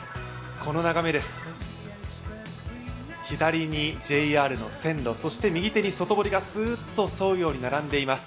この眺めです、左にＪＲの線路、そして右手に外堀がスーッと沿うように並んでいます。